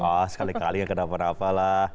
oh sekali kali ya kenapa napa lah